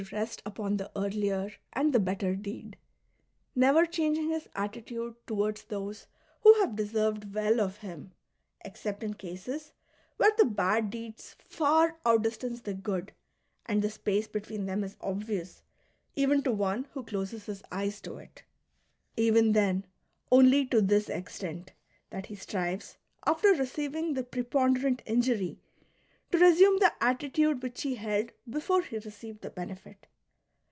xxxi. 6 quid ergo est bonum ? rerum scientia. 236 EPISTLE LXXXI. deserved well of him, except in cases where the bad deeds far outdistance the good, and the space between them is obvious even to one who closes his eyes to it ; even then only to this extent, that he strives, after receiving the preponderant injury, to resume the attitude which he held before he received the benefit.